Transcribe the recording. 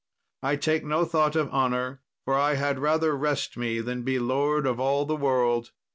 I take no thought of honour, for I had rather rest me than be lord of all the world."